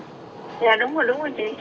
dạ đúng rồi đúng rồi chị